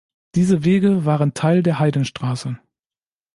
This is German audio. Diese Wege waren Teil der Heidenstraße.